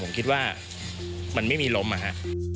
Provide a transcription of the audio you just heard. ผมคิดว่ามันไม่มีล้มอะฮะ